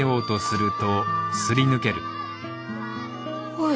おい。